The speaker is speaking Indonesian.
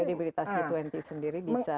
kredibilitas g dua puluh sendiri bisa